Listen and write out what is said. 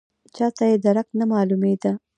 چاته یې درک نه معلومېده.